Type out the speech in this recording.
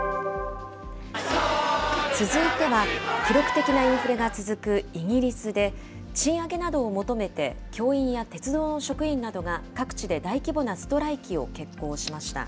続いては、記録的なインフレが続くイギリスで、賃上げなどを求めて教員や鉄道の職員などが各地で大規模なストライキを決行しました。